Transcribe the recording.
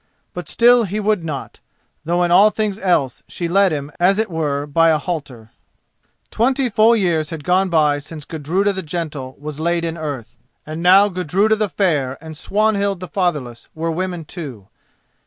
But still he would not, though in all things else she led him as it were by a halter. Twenty full years had gone by since Gudruda the Gentle was laid in earth; and now Gudruda the Fair and Swanhild the Fatherless were women too.